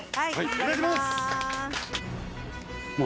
お願いします！